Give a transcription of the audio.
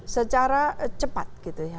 secara cepat gitu ya